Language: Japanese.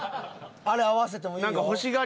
あれ合わせてもいいよ。